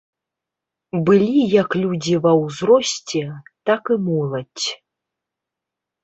Былі як людзі ва ўзросце, так і моладзь.